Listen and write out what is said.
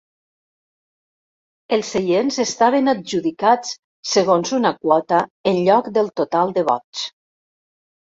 Els seients estaven adjudicats segons una quota en lloc del total de vots.